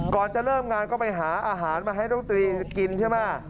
ก่อนจะเริ่มงานก็ไปหาอาหารมาให้น้องตรีกินใช่ไหม